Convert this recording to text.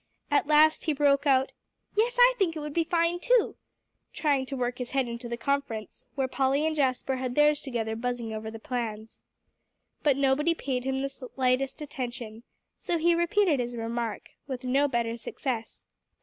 At last he broke out: "Yes, I think it would be fine too," trying to work his head into the conference, where Polly and Jasper had theirs together buzzing over the plans. But nobody paid him the slightest attention; so he repeated his remark, with no better success.